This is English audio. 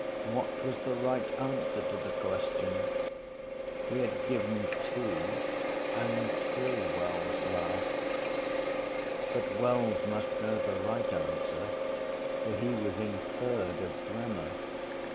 What was the right answer to the question? He had given two and still Wells laughed. But Wells must know the right answer for he was in third of grammar.